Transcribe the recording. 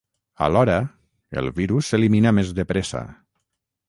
Alhora, el virus s’elimina més de pressa.